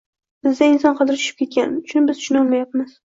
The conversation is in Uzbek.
Bizda inson qadri tushib ketgani uchun biz tushuna olmayapmiz.